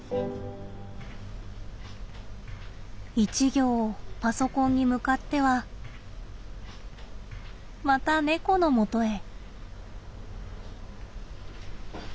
一行パソコンに向かってはまた猫のもとへ。